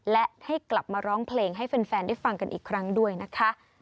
และให้กลับมาร้องเพลงให้แฟนได้ฟังกันอีกครั้งด้วยนะคะ